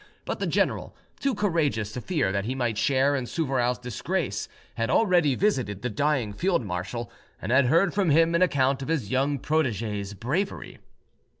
But the general, too courageous to fear that he might share in Souvarow's disgrace, had already visited the dying field marshal, and had heard from him an account of his young protege's bravery.